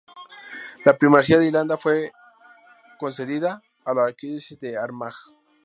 La Primacía de Irlanda fue concedida a la Archidiócesis de Armagh.